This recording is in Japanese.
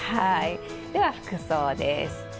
では、服装です。